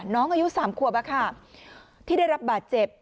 น้องอายุ๓คั่วที่ได้รับบาดเจ็บ